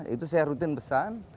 itu saya rutin pesan